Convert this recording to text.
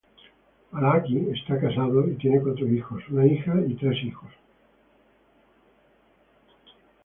Al-Halqi está casado y tiene cuatro hijos, una hija y tres hijos.